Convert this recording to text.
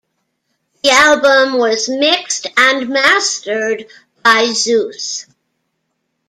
The album was mixed and mastered by Zeuss.